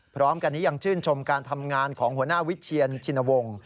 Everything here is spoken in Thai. พร้อมกันนี้ยังชื่นชมการทำงานของหัวหน้าวิเชียนชินวงศ์